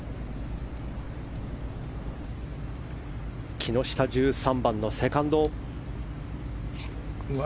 木下、１３番のセカンド。